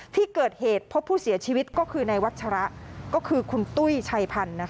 ที่เกิดเหตุพบผู้เสียชีวิตก็คือในวัชระก็คือคุณตุ้ยชัยพันธ์